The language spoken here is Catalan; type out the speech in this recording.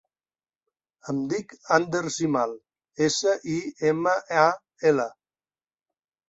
Em dic Ander Simal: essa, i, ema, a, ela.